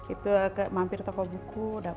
itu mampir toko buku